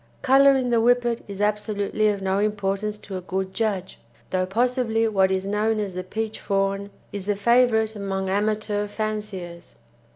Colour in the Whippet is absolutely of no importance to a good judge, though possibly what is known as the peach fawn is the favourite among amateur fanciers.